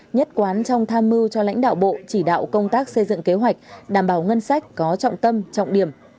nhất quán trong tham mưu cho lãnh đạo bộ chỉ đạo công tác xây dựng kế hoạch đảm bảo ngân sách có trọng tâm trọng điểm